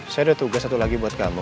saya udah tugas satu lagi buat kamu